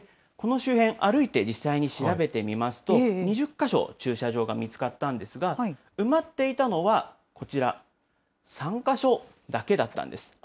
この周辺、歩いて実際に調べてみますと、２０か所駐車場が見つかったんですが、埋まっていたのは、こちら、３か所だけだったんです。